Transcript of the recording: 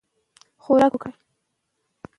د خوراک تودوخه معقوله وي.